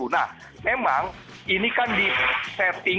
nah memang ini kan di setting